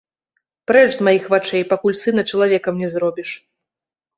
Прэч з маіх вачэй, пакуль сына чалавекам не зробіш.